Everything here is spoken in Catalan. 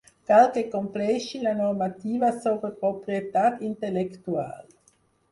Cal que compleixi la normativa sobre propietat intel·lectual.